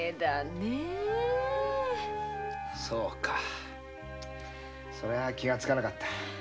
そうかそいつは気がつかなかった。